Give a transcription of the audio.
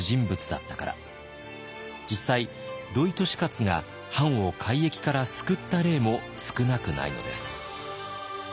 実際土井利勝が藩を改易から救った例も少なくないのです。